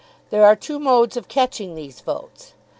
There are two modes of catching these votes.